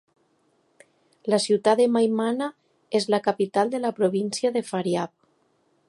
La ciutat de Maymana és la capital de la província de Faryab.